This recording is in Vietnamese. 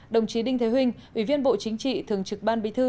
đồng chí đinh thế huệ ủy viên bộ chính trị thường trực ban bí thư